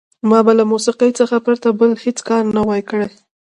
ما به له موسیقۍ څخه پرته بل هېڅ کار نه وای کړی.